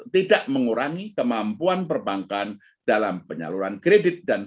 tidak mengurangi kemampuan perbankan dalam penyaluran kredit dan